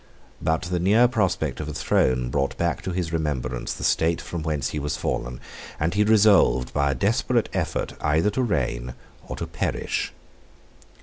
But the near prospect of a throne brought back to his remembrance the state from whence he was fallen, and he resolved, by a desperate effort, either to reign or to perish.